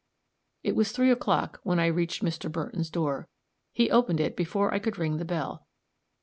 It was three o'clock when I reached Mr. Burton's door. He opened it before I could ring the bell.